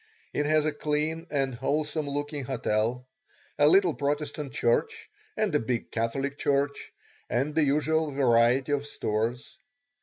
It has a clean and wholesome looking hotel, a little Protestant church and a big Catholic church, and the usual variety of stores.